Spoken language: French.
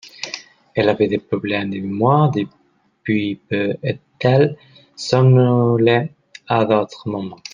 elle avait des problèmes de mémoire depuis peu et elle somnolait à d'autres moments.